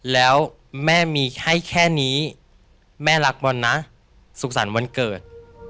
แล้วแม่มีให้แค่นี้แม่รักบอลนะสุขสรรค์วันเกิด